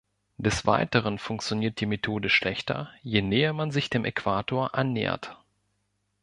Des Weiteren funktioniert die Methode schlechter, je näher man sich dem Äquator annähert.